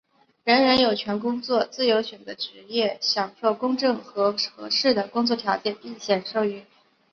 人人有权工作、自由选择职业、享受公正和合适的工作条件并享受免于失业的保障。